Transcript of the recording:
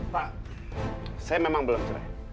pak saya memang belum cerah